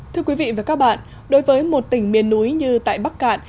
thưa quý vị và các bạn đối với một tỉnh miền núi như tại bắc cạn